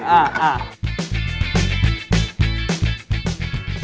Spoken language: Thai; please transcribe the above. อะอ่ะ